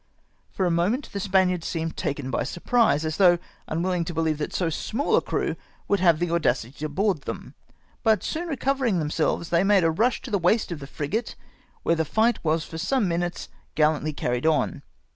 For a moment the Spaniards seemed taken by sur prise, as though unwilhng to beheve that so small a crew would have the audacity to board them ; but soon recovering themselves, they made a rush to the waist of the frigate, where the fight was for some minutes gallantly carried on.